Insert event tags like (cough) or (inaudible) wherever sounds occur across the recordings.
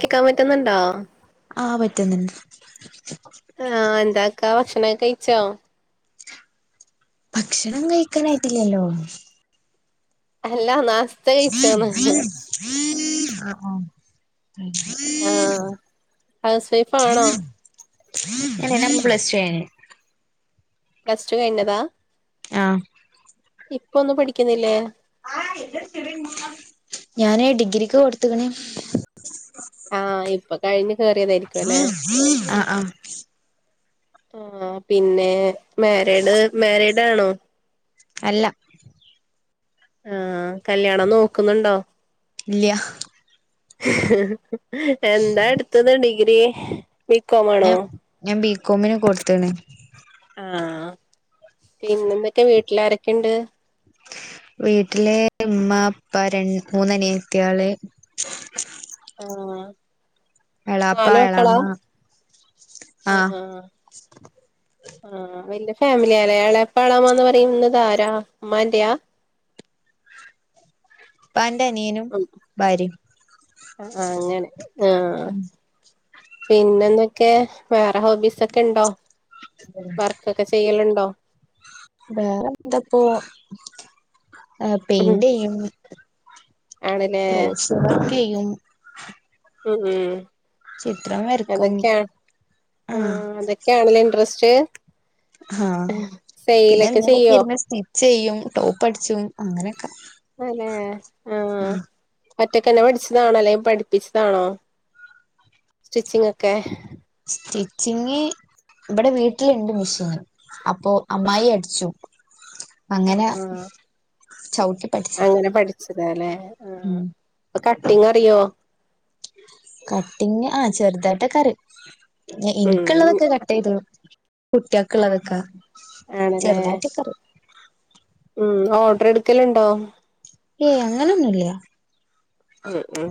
കേക്കാൻ പറ്റുന്നുണ്ടോ? ആഹ് പറ്റുന്നുണ്ട് ആഹ എന്താക്കാ ഭക്ഷണം കഴിച്ചോ ഭക്ഷണം കഴിക്കാനായിട്ടില്ലല്ലോ അല്ലാ നാസ്ത കഴിച്ചോന്ന് (inaudible) ആഹ് ഹൗസ് വൈഫ് ആണോ (inaudible) (unintelligible) ഞാൻ പ്ലസ്റ്റുകഴിഞ്ഞ് പ്ലസ്ടു കയിഞ്ഞതാ ആഹ് ഇപ്പൊന്നു പഠിക്കുന്നില്ലേ ഞാനേ ഡിഗ്രിക്ക് കൊടുത്തക്കണേ ആഹ് ഇപ്പൊ കഴിഞ്ഞ് കേയറിയതായിരിക്കും ല്ലെ. അഹ് അഹ് ആ പിന്നെ മേരേഡ് മേരേഡ് ആണോ? അല്ല ആഹ് കല്യാണം നോക്കുന്നുണ്ടോ? ഇല്ല്യാഹ് എന്താ എടുത്തത് ഡിഗ്രി, ബി കോം ആണോ ഞാൻ ഞാൻ ബീകോമിന് കൊടുത്ത്ണ്. ആഹ് പിന്നെന്തൊക്ക വീട്ടിലാരൊക്കെണ്ട് വീട്ടിലെ ഉമ്മ, ഉപ്പ ര മൂന്ന് അനിത്തിയാള് (inaudible) ആഹ് എളാപ്പ നല് മക്കളാ എളാമ്മ ആഹ് ആഹ് ആഹ് വല്യയ ഫാമിലിയാലേ എളപ്പാ എളാമന്ന് പറയുന്നത് ആരാ? ഉമ്മാന്റെയാ. പ എന്റെ അനിയനും യി ഭാര്യയും അഹ്‌ ആഹ് അങ്ങനെ ആഹ് പിന്നന്തക്കെ വേറെ ഹോബീസ് ഒക്കെ ഉണ്ടോ? വർക്കൊക്കെ ചെ ചെയ്യലുണ്ടോ? വേറെ എന്തപ്പോ ഉം പെയിന്റ് ചെയ്യും ആണ്ലേ ക്രോസ് വർക്കെയും. (unintelligible) ഉം ചിത്രം വരക്കും ആഹ് ആണല്ലോ ഇൻട്രസ്റ്റ് ആഹ് പിന്നെ ടൈലൊക്കെ എന്തേലൊക്കെ ചെയ്യോ ഇരുന്ന് സ്റ്റിച്ച് ചെയ്യും ടോപ്പ് അടിച്ചും അങ്ങനെയൊക്കെ അനേ ഉം ഒറ്റൊക്കെന്നെ പഠിച്ചതാണോ അല്ലെങ്കി പഠിപ്പിച്ചതാണോ സ്റ്റിച്ചിങ്ങ് ഒക്കെ സ്റ്റിച്ചിങ് ഇവിടെ വീട്ടിലുണ്ട് മെഷീന് അപ്പോ അമ്മായി അടിച്ചു ആഹ് അങ്ങനെ ആഹ് ചൗട്ടി അങ്ങനെ പഠിച്ചതാല്ലെ? ഉം കട്ടിങ് ആ ചെർതായിട്ടക്കെ അറിം. ഉം എനിക്കുള്ളതൊക്കെ കട്ട ചെയ്തു കുട്ടികൾക്കൊള്ളതൊക്കെ ഏണ്ല്ലേ ഉം ഓർഡർ എടുക്കലുണ്ടോ? ഏയ് അങ്ങനെയൊന്നുല്ല ഉം ഉം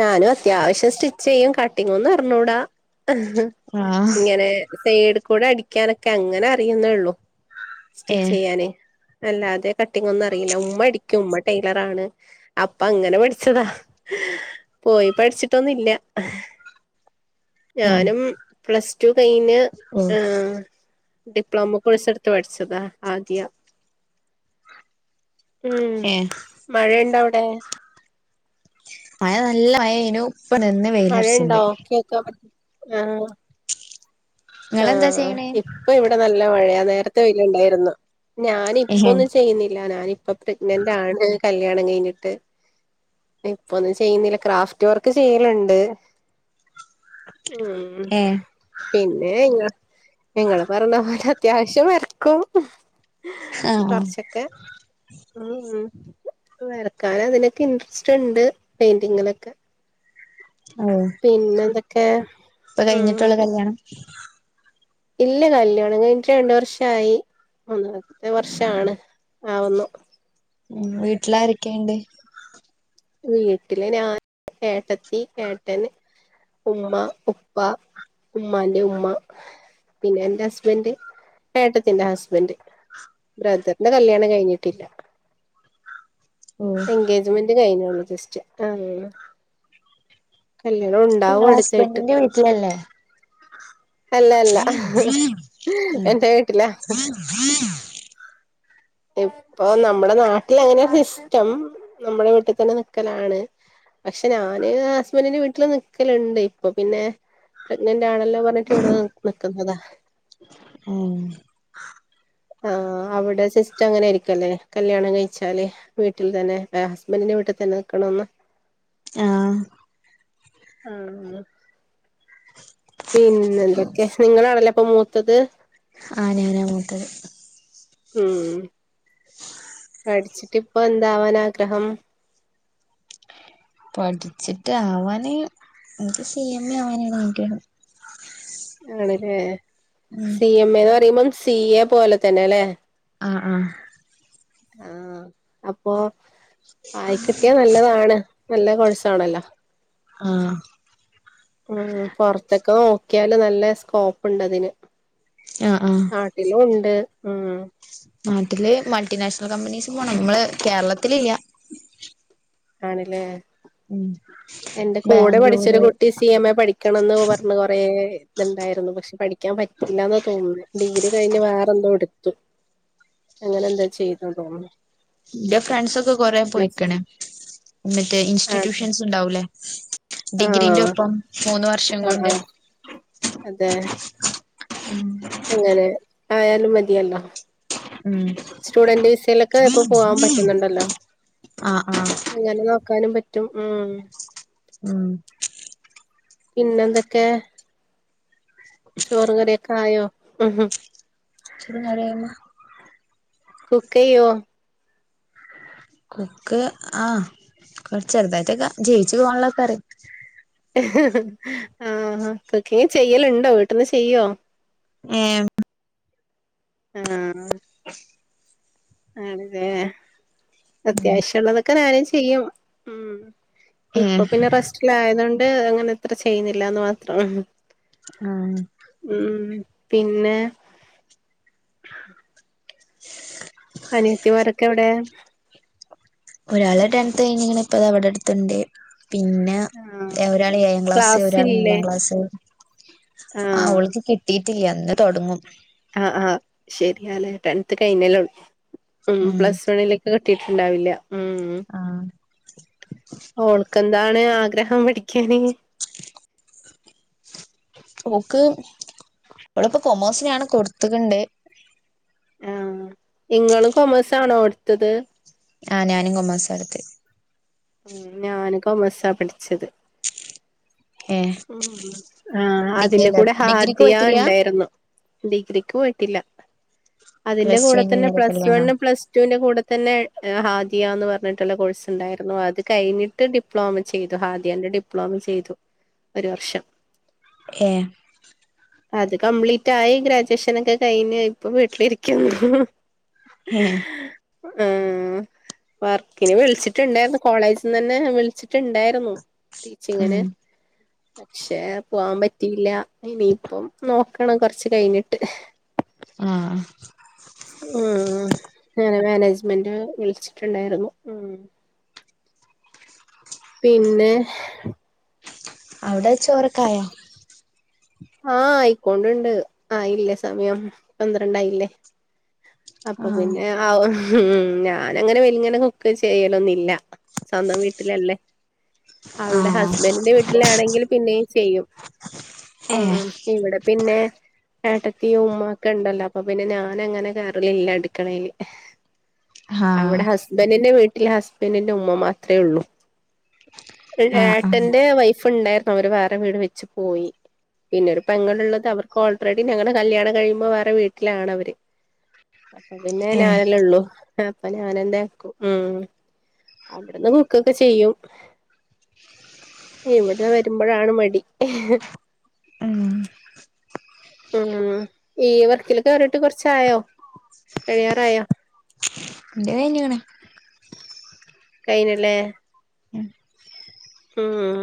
ഞാനും അത്യാവശ്യം സ്റ്റിച്ച് ചെയ്യും കട്ടിങ്ങുംന്ന് അറിഞ്ഞൂടാ. ആഹ് ഇങ്ങനെ സൈഡ് കൂടെ അടിക്കാനൊക്കെ അങ്ങനെ അറിയുന്നേള്ളൂ ഏ സ്റ്റിച്ച് ചെയ്യാനേ അല്ലാതെ കട്ടിംഗ് ഒന്നും അറിയില്ല ഉമ്മ അടിക്കും ഉമ്മ ടൈലർ ആണ് അപ്പ അങ്ങനെ പഠിച്ചതാ പോയി പഠിച്ചിട്ടൊന്നുംല്ല. (inaudible) ഏ ഞാനും പ്ലസ്ടു കഴിഞ്ഞ് ഓ ഹ് ഡിപ്ലോമ കോഴ്സ് എടുത്ത (unintelligible) പഠിച്ചതാ ആകിയ ഉം ഏ മഴയുണ്ടോ അവിടെ? മഴ നല്ല മഴേനു ഇപ്പ നിന്ന്. വെയിലറച്ചിണ്ട് മഴയുണ്ടോ? കേക്കാൻ പ ആഹ് ഇങ്ങളെന്താ ചെയ്യണേ ഇപ്പ ഇവിടെ നല്ല മഴയാ, നേരത്തെ വേയിലുണ്ടായിരുന്നു. ഞാന് ഏ ഇപ്പൊന്നും ചെയ്യുന്നില്ല, ഞാന് ഇപ്പൊ പ്രഗ്നന്റ് ആണ് കല്യാണം കഴിഞ്ഞിട്ട്. ഇപ്പൊന്നും ചെയ്യുന്നില്ല ക്രാഫ്റ്റ് വർക്ക് ചെയ്യലുണ്ട് ഉം ഏ ഏഹ് ഇങ്ങ ഇങ്ങള് പറഞ്ഞ പോലെ അത്യാവശ്യം വര്ക്കും. ആഹ് കൊറച്ചൊക്കെ ഉം വരക്കൻ അതിനൊക്കെ ഇൻട്രസ്റ്റ് ഉണ്ട് പെയിന്റിങ്ങിലൊക്കെ ആഹ് പിന്നെന്തെക്കെ? ഇപ്പ കഴിഞ്ഞിട്ടൊള്ളു കല്ല്യാണം? ഇല്ല കല്യാണം കഴിഞ്ഞിട്ട് രണ്ടു വർഷായി മൂന്നത്തെ വർഷം ആണ് ആവുന്നു. വീട്ടില് ആരൊക്കെയിണ്ട് വീട്ടില് ഞാൻ ഏട്ടത്തി ഏട്ടന് ഉമ്മുമ്മ ഉപ്പ ഉമ്മാൻ്റെ ഉമ്മ. പിന്നെ എന്റെ ഹസ്ബൻഡ് ഏട്ടത്തിന്റെ ഹസ്ബന്റ് ബ്രദറിന്റെ കല്യാണം കഴിഞ്ഞിട്ടില്ല ഓ എൻഗേജ്മെന്റ് കഴിഞ്ഞോളൂ ജസ്റ്റ് (unintelligible) കല്യാണം ഉണ്ടാവും അടുത്തായിട്ട് ത്തുവല്ലേ അല്ല അല്ല ഉം എന്റെ വീട്ടിലാ (inaudible) ഇപ്പൊ നമ്മുടെ നാട്ടിൽ അങ്ങനെ സിസ്റ്റം നമ്മുടെ വീട്ടിൽ തന്നെ നിക്കലാണ്. പക്ഷെ ഞാന് ഹസ്ബന്റിന്റെ വീട്ടില് നിക്കലുണ്ട്. ഇപ്പൊ പിന്നെ പ്രഗ്നന്റ് ആണല്ലോ പറ (unintelligible) ക്കെ ഇവിടെ നിക്കുന്നതാ. ആയ്ന്റെ ആ അവിടെ സിസ്റ്റം അങ്ങനെ ആയിരിക്കുംല്ലെ കല്യാണം കഴിച്ചാല് വീട്ടിൽ തന്നെ ഹസ്ബന്റിന്റെ വീട്ടിൽ തന്നെ നിൽക്കണന്ന് ആഹ് ആഹ് പിന്നെന്തൊക്കെ നിങ്ങളാണല്ലേപ്പോ മൂത്തത്? ആഹ് ഞാനമൂത്തത്. ഉം. പഠിച്ചിട്ട് ഇപ്പൊന്താവാൻ ആഗ്രഹം? പഠിച്ചിട്ട് ആവാന് ഇൻക്ക് സി എം എ ആവാനാണ് ആഗ്രഹം. ആണ് ല്ലേ ഉം സി എം എ ന്ന് പറയുമ്പം സി എ പോലെ തന്നെ അല്ലേ ആഹ് ആഹ് ആഹ് അപ്പോ ആയിക്കിട്ടിയാ നല്ലതാണ് നല്ല കോഴ്സ്സാണല്ലോ? ആഹ്. ഉ പുറത്തക്കെ നോക്കിയാല് നല്ല സ്കോപ്പ് ഉണ്ട് അതിന്. യാ ആഹ് നാട്ടിലും ഉണ്ട് ഉ. നാട്ടില് മൾട്ടിനാഷണൽ കമ്പനീസ് പോണം മ്മള് കേരളത്തിലില്ല്യാ. ആണ്ലെ ഉം എന്റെ കൂടെപഠിച്ചൊരു ബാംഗ്ലൂര് കുട്ടി സ് സി എം എ പഠിക്കണമെന്ന് പറഞ്ഞ് കൊറെ ഇത് ഇൻണ്ടായിരുന്നു. പക്ഷെ പഠിക്കാൻ പറ്റില്ലാന്ന് തോന്നുന്നു. ഡിഗ്രി കഴിഞ്ഞ് വേറെ എന്തോ എടുത്തു. അങ്ങനെ എന്താ ചെയ്തു തോന്നുന്നു. ഇന്റെ ഫ്രണ്ട്സ് ഒക്കെ കൊറേ പ്ലസ് പോയിക്ക്ണ് എന്നിട്ട് ആഹ് ഇൻസ്റ്റിറ്റ്യൂഷൻസ് ഉണ്ടാവൂലേ ഡിഗ്രീന്റെ ആഹ് ഒപ്പം മൂന്ന് വർഷം ആഹ് കൊണ്ട്. ആഹ് അതെ (inaudible) ങ്ങനെ ആയാലുംമതിയല്ലോ. ഉം. സ്റ്റുഡന്റ് വിസയിലൊക്കെപ്പോ പോവാൻ പറ്റുന്നുണ്ടല്ലോ. ആഹ് ആഹ് ഇങ്ങനെ നോക്കാനും പറ്റും ഉം ഉം. പിന്ന എന്തക്കെ ചോറും കറിയൊക്കെ ആയോ ഉ. ഇച്ചിരി നിറയുമ്പ കുക്കെയ്യോ? കുക്ക് ആ കൊറ ചെറുതായിട്ടൊക്കെ ജീവിച്ചു പോകാനുള്ളൊക്കെ അറിയ ആഹ് കുക്കിങ്ചെയ്യല്ണ്ടോ വീട്ട്ന്ന് ചെയ്യോ? ഏ ആഹ് ആണ് ല്ലേ അത്യാവശ്യം ഉള്ളതൊക്കെ നാനും ചെയ്യും ഉംഹ് ഏഹ് ഇപ്പൊ പിന്നെ റെസ്റ്റിലായതൊണ്ട് അങ്ങനെ ഇത്ര ചെയ്യുന്നില്ലാന്ന് മാത്രം ആഹ്. ഉംഉം പിന്നെ അനിയത്തിമാരൊക്കെ എവിടെ ഒരാള് ടെൻത് കയിഞ്ക്ക്ണ് ഇപ്പൊതാ ഇവടട്ത്ത്ണ്ട് പിന്നെ ആഹ് അ എ ഒരാൾ ഏഴാംക്ലാസ്സ് ഒരാൾ ക്ലാസ്സില്ലേ മൂന്നാംക്ലാസ്സ് അ ആഹ് ഓൾക്ക് കിട്ടി ട്ടില്ല്യ ന്ന്തൊട്ങ്ങും. ആആ ശരിയല്ലെ ടെൻത്ത് കഴിഞ്ഞേള്ളൂ ഉ ഉം പ്ലസ് വണില് കിട്ടീട്ടിണ്ടാവില്ല. ആഹ് ഓൾക്കെന്താണ് ആഗ്രഹം പഠിക്കാന്. ഓക്ക് ഓളിപ്പോ കൊമേഴ്സിനാണ് കൊട്ത്ത്ക്ക്ണ്ട്. ആ ഇങ്ങളും കൊമേഴ്സ് ആണോ അടുത്തത്. ആഹ് ഞാനും കോമേഴ്‌സാ എടുത്തേ ഉം ഞാന്കോമേഴ്സാ പഠിച്ചത്. ഏഹ് ആഹ് ഡിഗ്രി അല്ല അതിന്റെകൂടെ ഡിഗ്രിക്ക് ഹാദിയ പോയിട്ടില്ല ഇണ്ടായിരുന്നു. ഡിഗ്രിക്ക് പോയിട്ടില്ല അതിന്റെ പ്ലസ് ടു കൂടെ കഴിഞ്ഞ് തെന്നെ നേരെ പ്ലസ് കല്യാണാ വണ്ണ് പ്ലസ് റ്റുന്റെ കൂടെതെന്നെ ഹാദിയാന്ന് പറഞ്ഞിട്ടുള്ള കോഴ്സ്ഇണ്ടായിരുന്നു ആ ഇത് കഴിഞ്ഞിട്ട് ഡിപ്ലോമചെയ്തു ഹാദിയന്റെ ഡിപ്ലോമചെയ്തു ഒര് വർഷം. ഏ അത് കംപ്ലീറ്റായി ഗ്രാജുവേഷനൊക്കെ കഴിഞ്ഞ് ഇപ്പൊ വീട്ടിലിരിക്കുന്നുഹ്ഹ്. ഹെ അഹ് വർക്കിന് വിളിച്ചിട്ടുണ്ടായിരുന്നു. കോളേജിന്നെന്നേ വിളിച്ചിട്ടുണ്ടായിരുന്നു ഉം ടീച്ചിങ്ങിന് ക്ഷെ പോവാൻ പറ്റിയില്ല ഇനിയിപ്പം നോക്കണം കൊറച്ച് കഴിഞ്ഞിട്ട് ആഹ്.. ഉം ഞാന് മാനേജ്മെന്റ് വിളിച്ചിട്ടുണ്ടായിരുന്നു ഉം- പിന്നെ അവിടെ ചോറക്കായാ. ആഹ് ആയിക്കൊണ്ട്ണ്ട് ആയില്ല സമയം പന്ത്രണ്ടായില്ല. ആഹ് അപ്പപിന്നെ ആഹ് ഉം ഞാനങ്ങനെ വലിങ്ങനെ കുക്ക് ചെയ്യലൊന്നില്ല സ്വന്തം വീട്ടിലല്ലേ അവിടെ ആഹ് ഹസ്ബൻഡിന്റെ വീട്ടിലാണെങ്കിൽ പിന്നെയും ചെയ്യും. ഏഹ് ഉം ഇവിടെ പിന്നെ ഏട്ടത്തി ഉമ്മ ഒക്കെ ഉണ്ടല്ലോ. അപ്പൊ പിന്നെ ഞാൻ അങ്ങനെ കയറലില്ല അടുക്കളേൽ. ആഹ് അവിടെ ഹസ്ബൻഡിന്റെ വീട്ടിൽ ഹസ്ബൻറിന്റെ ഉമ്മ മാത്രമേ ഉള്ളൂ. ആഹ് ആഹ് ഏട്ടന്റെ വൈഫ് ഉണ്ടാരുന്നു അവര് വേറെ വീട് വെച്ച് പോയി പിന്നെ ഒരു പെങ്ങൾ ഉള്ളത് അവർക്ക് ഓൾറെഡി ഞങ്ങടെ കല്യാണം കഴിയുമ്പോ വേറെ വീട്ടിലാണ് അവര് അപ്പൊപിന്നെ ഏഹ് ഞാന്ല്ലേള്ളു അപ്പൊ ഞാൻ എന്നെ ആക്കും. ഉ അവിട്ന്ന് കുക്കൊക്കെ ചെയ്യും. ഇവിടെ വരുമ്പോഴാണ് മടി. ഉം ഉം ഈ വർക്കില്കേറീട്ട് കൊർച്ചായോ കഴിയാറായോ? ഇന്റെയ്ഞ്ക്ണ്. കയ്ഞ്ഞുല്ലേ? ഉം ഉം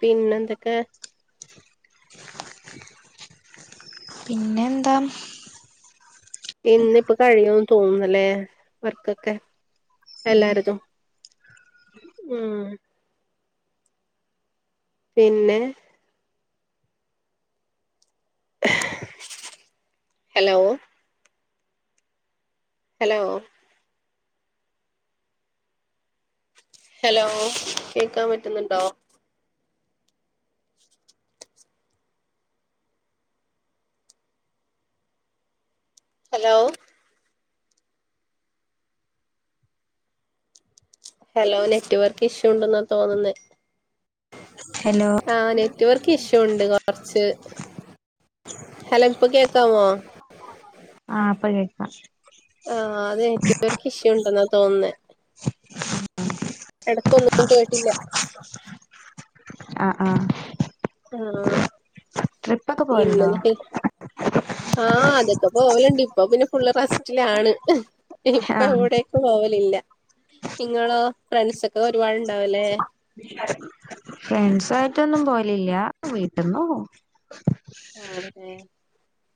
പിന്നെ എന്തൊക്കെ. പിന്നെന്താ? ഇന്നിപ്പോ കഴിയുംന്ന് തോന്നുന്നല്ലേ വർക്കൊക്കെ എല്ലാരതും. ഉം പിന്നെ? ഹലോ ഹലോ ഹലോ കേക്കാൻപറ്റുന്നുണ്ടോ? ഹലോ ഹലോ നെറ്റ് വർക്ക് ഇഷ്യൂണ്ടെന്നാ തോന്നുന്നെ. ഹലോ ആഹ് നെറ്റ് വർക്ക് ഇഷ്യുണ്ട്. കൊ കൊറച്ച് ഹലോ ഇപ്പൊ കേക്കാവോ. ആഹ് അപ്പ കേക്കാം ആഹ് അതേ നെറ്റ് വർകിഷ്യുണ്ടെന്നാ തോന്നുന്നേ. എടക്കൊന്നും കേട്ടില്ല (unintelligible) ആഹ് ആഹ്- ആഹ്. ട്രിപ്പൊക്കെ പോവല്ണ്ടോ? പിന്നെന്തൊക്കെ ആഹ് അതൊക്ക പോവലുണ്ട് ഇപ്പൊ പിന്നെ ഫുള്ള് റസ്റ്റിലാണ് ഇപ്പ ആഹ് എവിടെ ഇപ്പോപോവലില്ല നിങ്ങളോ ഫ്രണ്ട്സൊക്കെ ഒരുപാട്ണ്ടാവുല്ലേ? ഫ്രണ്ട്സ ആായിട്ടൊന്നും പോലില്ല വീട്ടുപോകും ആണലെ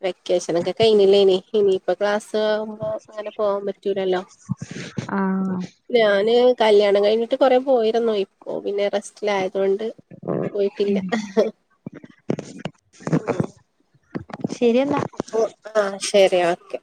വെക്കേഷനൊക്കെ കഴനില്ലേനി ഇനിയിപ്പ ക്ലാസ് ആവുമ്പോ അങ്ങനെ പോകാൻ പറ്റൂലല്ലോ ആഹ് ഞാന് കല്യാണം കഴിഞ്ഞിട്ട് കൊറെ പോയിരുന്നു ഇപ്പൊ പിന്നെ റെസ്റ്റിലായതൊണ്ട് പോയിട്ടില്ല ഉം ശരിയെന്നാ ഓ ആ ശരി ഓക്കെ